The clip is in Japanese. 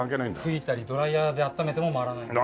吹いたりドライヤーで温めても回らないんです。